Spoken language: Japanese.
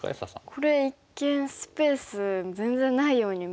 これ一見スペース全然ないように見える。